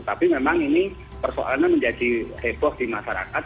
tapi memang ini persoalannya menjadi heboh di masyarakat